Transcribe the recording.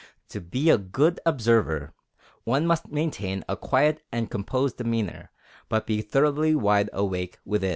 To be a good observer, one must maintain a quiet and composed demeanor, but be thoroughly wide awake within.